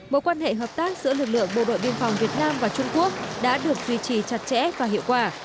mối quan hệ hợp tác giữa lực lượng bộ đội biên phòng việt nam và trung quốc đã được duy trì chặt chẽ và hiệu quả